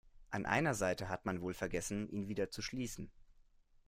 An einer Seite hat man wohl vergessen, ihn wieder zu schließen.